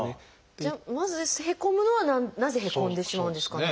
じゃあまずへこむなのはなぜへこんでしまうんですかね？